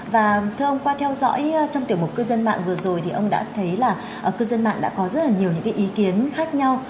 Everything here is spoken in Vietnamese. và thưa ông qua theo dõi trong tiểu mục cư dân mạng vừa rồi thì ông đã thấy là cư dân mạng đã có rất là nhiều những cái ý kiến khác nhau